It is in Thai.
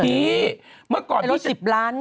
เมื่อก่อนมี๑๐ล้าน